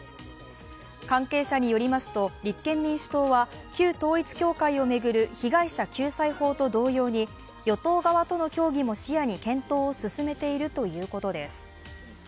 関係者によりますと、立憲民主党は旧統一教会を巡る被害者救済法と同様に与党側との協議も視野に検討を進めているということです。